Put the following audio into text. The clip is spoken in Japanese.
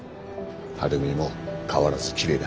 晴美も変わらずきれいだし。